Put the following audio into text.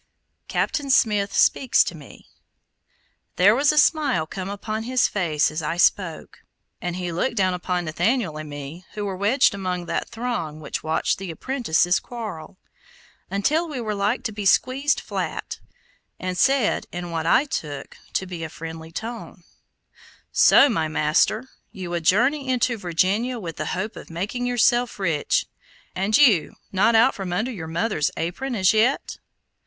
There was a smile come upon his face as I spoke, and he looked down upon Nathaniel and me, who were wedged among that throng which watched the apprentices quarrel, until we were like to be squeezed flat, and said in what I took to be a friendly tone: "So, my master, you would journey into Virginia with the hope of making yourself rich, and you not out from under your mother's apron as yet?"